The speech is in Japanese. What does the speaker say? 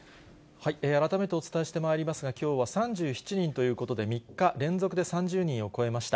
改めてお伝えしてまいりますが、きょうは３７人ということで、３日連続で３０人を超えました。